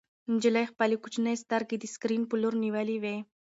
نجلۍ خپلې کوچنۍ سترګې د سکرین په لور نیولې وې.